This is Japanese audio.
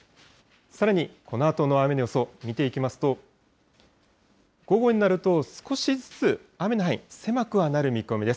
さらにこのあとの雨の予想見ていきますと、午後になると、少しずつ雨の範囲、狭くはなる見込みです。